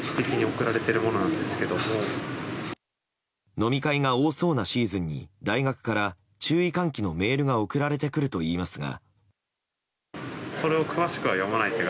飲み会が多そうなシーズンに大学から注意喚起のメールが送られてくるといいますが。